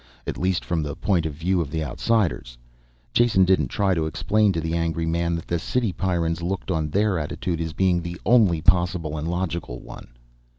At least from the point of view of the outsiders. Jason didn't try to explain to the angry man that the city Pyrrans looked on their attitude as being the only possible and logical one.